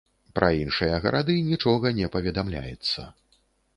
Пра іншыя гарады нічога не паведамляецца.